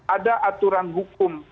ada aturan hukum